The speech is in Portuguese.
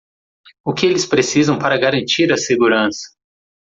O que eles precisam para garantir a segurança?